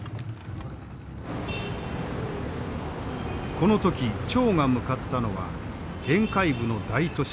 この時張が向かったのは沿海部の大都市